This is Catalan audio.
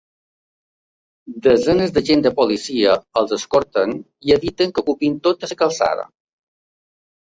Desenes d’agents de policia els escorten i eviten que ocupin tota la calçada.